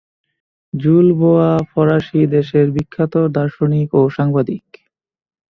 Joule, Bois ফরাসী দেশের বিখ্যাত দার্শনিক ও সাংবাদিক।